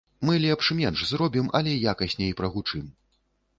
Мы лепш менш заробім, але якасней прагучым.